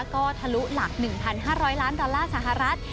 ก็ทะลุหลัก๑๕๐๐ล้านดอลลาร์สหรัฐ